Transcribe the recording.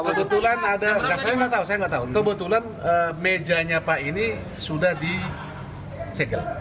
kebetulan ada saya nggak tahu kebetulan mejanya pak ini sudah di segel